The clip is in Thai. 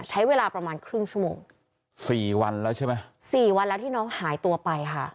ใช้เวลาประมาณครึ่งชั่วโมงสี่วันแล้วใช่ไหมสี่วันแล้วที่น้องหายตัวไปค่ะ